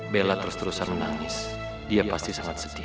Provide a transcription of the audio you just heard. bella terus terusan menangis dia pasti sangat sedih